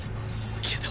けど